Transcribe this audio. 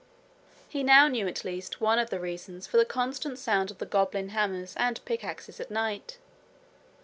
He now knew at least one of the reasons for the constant sound of the goblin hammers and pickaxes at night.